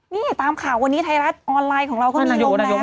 นี่ตามข่าววันนี้ไทยรัฐออนไลน์ของเราก็มีลงแล้ว